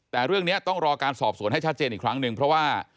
แต่เรื่องนี้ต้องรอการสอบสวนให้ชัดเจนอีกครั้งหนึ่งเพราะว่า